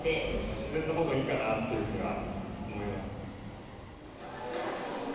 自然のほうがいいかなっていうふうには思います。